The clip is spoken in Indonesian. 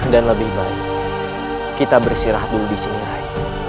dan lebih baik kita bersirah dulu di sini rai